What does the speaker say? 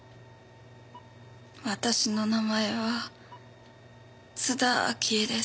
私の名前は津田明江です。